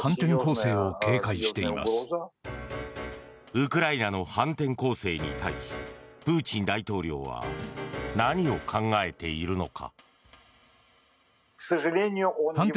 ウクライナの反転攻勢に対しプーチン大統領は何を考えているのか。